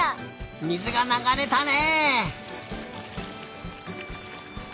水がながれたね！